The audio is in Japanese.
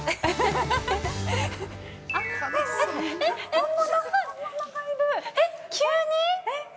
えっ、急に！？